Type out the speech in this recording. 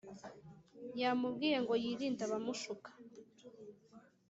yamubwiye ngo yirinde abamushuka